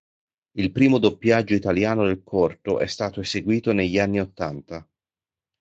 Il primo doppiaggio italiano del corto è stato eseguito negli anni ottanta.